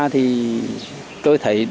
thì tôi thấy